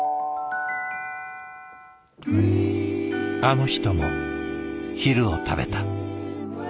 あの人も昼を食べた。